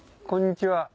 こんにちは。